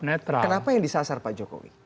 kenapa yang disasar pak jokowi